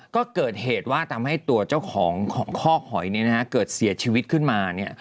ก็เกิดเหตุว่าทำให้ตัวเจ้าของของคอกหอยเกิดเสียชีวิตขึ้นมา